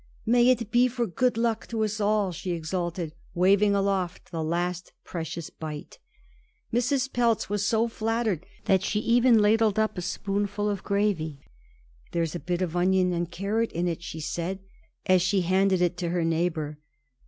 "May it be for good luck to us all!" she exulted, waving aloft the last precious bite. Mrs. Pelz was so flattered that she even ladled up a spoonful of gravy. "There is a bit of onion and carrot in it," she said as she handed it to her neighbor.